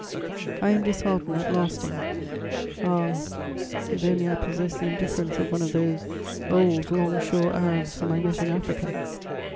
I am disheartened at lasting. Ah, if only I possessed the indifference of one of those old long shore Arabs whom I met in Africa!